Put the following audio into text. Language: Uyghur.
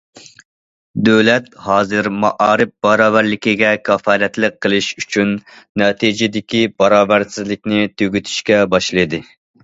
دۆلەت ھازىر مائارىپ باراۋەرلىكىگە كاپالەتلىك قىلىش ئۈچۈن نەتىجىدىكى باراۋەرسىزلىكنى تۈگىتىشكە باشلىدى.